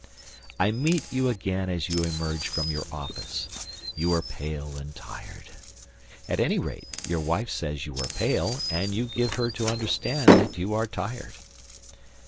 I meet you again as you emerge from your office. You are pale and tired. At any rate, your wife says you are pale, and you give her to understand that you are tired.